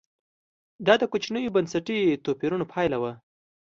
دا د کوچنیو بنسټي توپیرونو پایله وه.